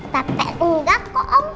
tapi enggak kok om